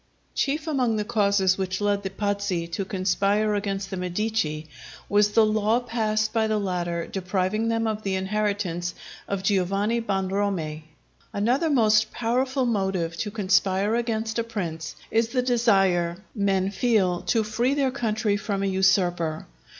Chief among the causes which led the Pazzi to conspire against the Medici, was the law passed by the latter depriving them of the inheritance of Giovanni Bonromei. Another most powerful motive to conspire against a prince is the desire men feel to free their country from a usurper.